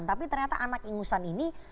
tapi ternyata anak ingusan ini